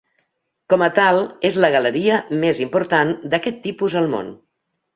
Com a tal és la galeria més important d'aquest tipus al món.